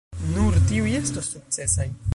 Nur tiuj estos sukcesaj.